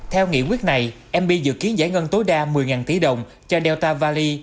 theo nghị quyết này mb dự kiến giải ngân tối đa một mươi tỷ đồng cho delta valley